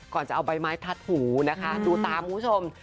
ก่อนจะเอาใบไม้ทัดหูนะคะดูตามคุณผู้ชม